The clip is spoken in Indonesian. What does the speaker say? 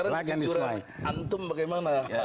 tergantung sekarang jijuran antum bagaimana